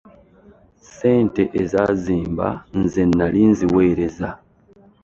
Ssente ezaazimba nze nnali nziwereza.